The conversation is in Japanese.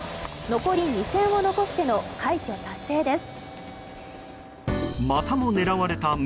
残り２戦を残しての快挙達成です。